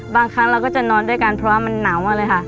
บางครั้งเราก็จะนอนด้วยกันเพราะว่ามันหนาวมาเลยค่ะ